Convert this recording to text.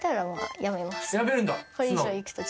やめるんだ、素直。